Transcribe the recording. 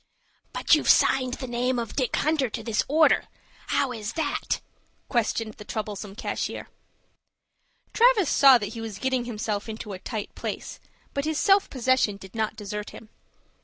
"But you've signed the name of Dick Hunter to this order. How is that?" questioned the troublesome cashier. Travis saw that he was getting himself into a tight place; but his self possession did not desert him.